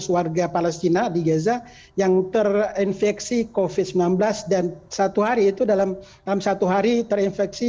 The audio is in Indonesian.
tiga ratus warga palestina di gaza yang terinfeksi covid sembilan belas dan satu hari itu dalam satu hari terinfeksi